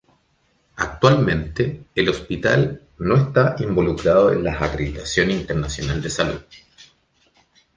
Actualmente, el hospital no está involucrado en la acreditación internacional de salud.